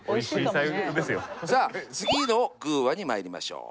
さあ次の「グぅ！話」にまいりましょう。